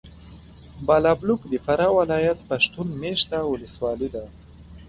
بالابلوک د فراه ولایت پښتون مېشته ولسوالي ده.